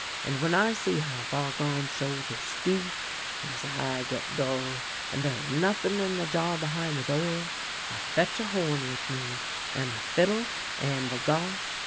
And when I see how Bargon shoulders stoop and his eye get dull, and there is nothing in the jar behin' the door, I fetch a horn with me, and my fiddle, and, bagosh